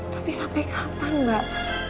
tapi sampai kapan mbak